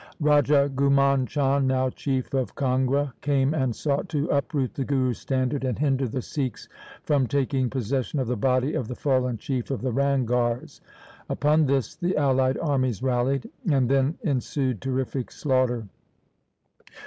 Raja Ghumand Chand, now chief of Kangra, came and sought to uproot the Guru's standard and hinder the Sikhs from taking possession of the body of the fallen chief of the Ranghars. Upon this the allied armies rallied, and then ensued terrific slaughter.